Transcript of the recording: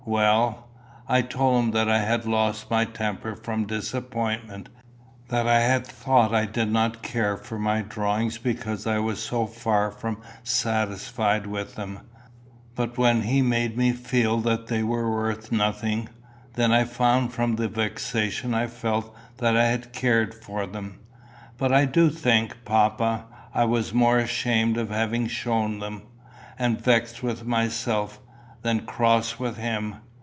"Well?" "I told him that I had lost my temper from disappointment; that I had thought I did not care for my drawings because I was so far from satisfied with them, but when he made me feel that they were worth nothing, then I found from the vexation I felt that I had cared for them. But I do think, papa, I was more ashamed of having shown them, and vexed with myself, than cross with him.